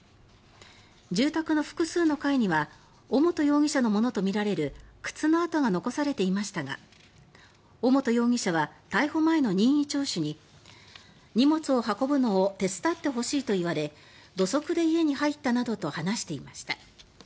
住宅の複数の階には尾本容疑者のものとみられる靴の跡が残されていましたが尾本容疑者は逮捕前の任意聴取に荷物を運ぶのを手伝ってほしいと言われ土足で家に入ったなどと話していました。